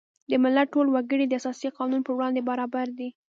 د ملت ټول وګړي د اساسي قانون په وړاندې برابر دي.